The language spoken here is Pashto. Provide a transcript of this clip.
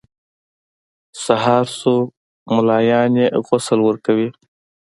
سهار شو ملایان یې غسل ورکوي.